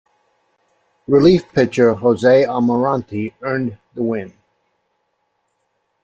Relief pitcher Jose Almarante earned the win.